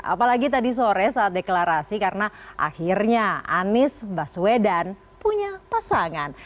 apalagi tadi sore saat deklarasi karena akhirnya anies baswedan punya pasangan